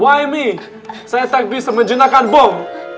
why me saya tak bisa menjenakkan bom